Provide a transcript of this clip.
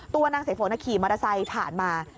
ตัวนางสายฝนขี่มอเตอร์ไซค์ผ่านมา